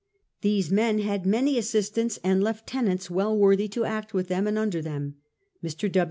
These men had many assistants and lieutenants well worthy to act with them and under them. Mr.